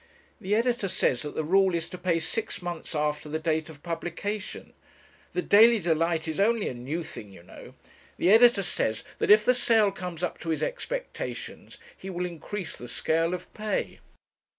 'The editor says that the rule is to pay six months after the date of publication. The Daily Delight is only a new thing, you know. The editor says that, if the sale comes up to his expectations, he will increase the scale of pay.'